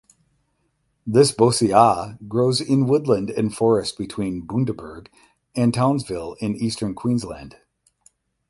This bossiaea grows in woodland and forest between Bundaberg and Townsville in eastern Queensland.